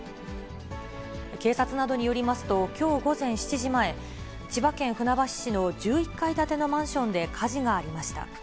警察などによりますと、きょう午前７時前、千葉県船橋市の１１階建てのマンションで火事がありました。